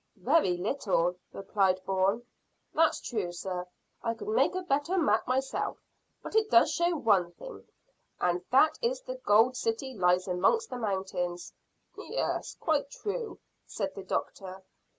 "Very little," replied Bourne. "That's true, sir. I could make a better map myself; but it does show one thing, and that is that the gold city lies amongst the mountains." "Yes, quite true," said the doctor.